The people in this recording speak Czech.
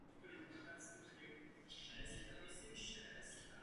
Vzhledem k blízkosti ke Slunci je dvojhvězda častým cílem zájmu astronomů.